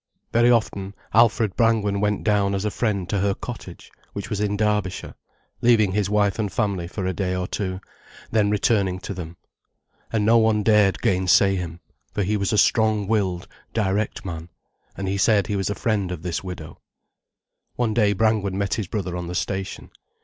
Very often, Alfred Brangwen went down as a friend to her cottage, which was in Derbyshire, leaving his wife and family for a day or two, then returning to them. And no one dared gainsay him, for he was a strong willed, direct man, and he said he was a friend of this widow. One day Brangwen met his brother on the station.